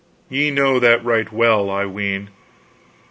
Ye know that right well, I ween.